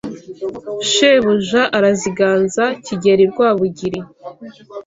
Shebuja araziganza Kigeli rwabugiri